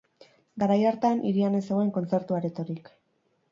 Garai hartan, hirian ez zegoen kontzertu aretorik.